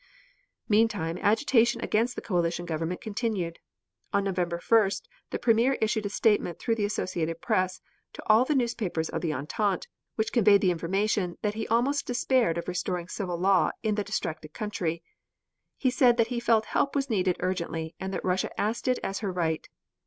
Meantime agitation against the Coalition Government continued. On November 1st, the Premier issued a statement through the Associated Press, to all the newspapers of the Entente, which conveyed the information that he almost despaired of restoring civil law in the distracted country. He said that he felt that help was needed urgently and that Russia asked it as her right.